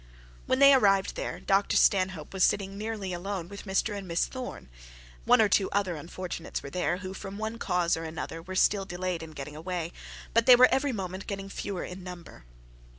When they arrived there, Dr Stanhope was sitting nearly alone with Mr and Miss Thorne; one or two other unfortunates were there, who from one cause or another were still delayed in getting away; but they were every moment getting fewer in number.